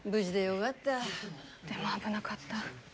でも、危なかった。